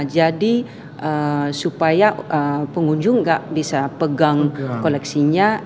jadi supaya pengunjung nggak bisa pegang koleksinya